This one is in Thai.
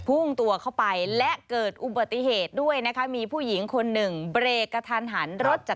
พุ่งตัวเข้าไปและเกิดอุบัติเหตุด้วยนะคะมีผู้หญิงคนหนึ่งเบรกกระทันหันรถจาก